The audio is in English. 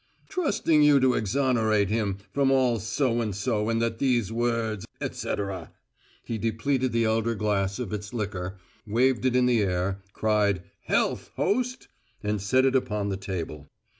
Trusting you to exonerate him from all so and so and that these few words, etcetera!" He depleted the elder glass of its liquor, waved it in the air, cried, "Health, host!" and set it upon the table.